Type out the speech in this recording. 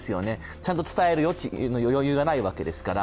ちゃんと伝える余裕がないわけですから。